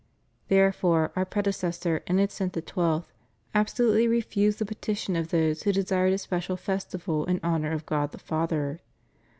Therefore Our predecessor Innocent XII. absolutely refused the petition of those who desired a special festival in honor of God the Father.